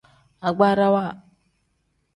Agbarawa.